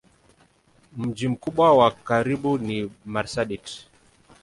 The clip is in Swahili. Mji mkubwa wa karibu ni Marsabit.